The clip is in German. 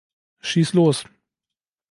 Schieß los!